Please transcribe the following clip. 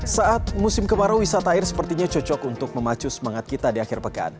saat musim kemarau wisata air sepertinya cocok untuk memacu semangat kita di akhir pekan